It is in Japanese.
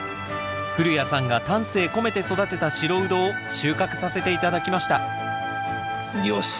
古谷さんが丹精込めて育てた白ウドを収穫させて頂きましたよし！